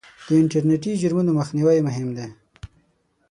د انټرنېټي جرمونو مخنیوی مهم دی.